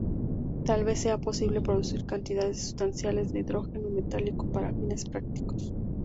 Tal vez sea posible producir cantidades sustanciales de hidrógeno metálico para fines prácticos.